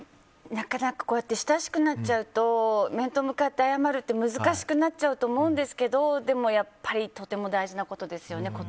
なかなか親しくなっちゃうと面と向かって謝るって難しくなっちゃうと思うんですけどでも、とても大事なことですよね